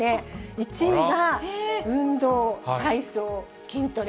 １位が運動・体操・筋トレ。